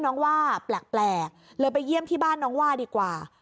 ว่าแปลกเลยไปเยี่ยมที่บ้านน้องว่าดีกว่า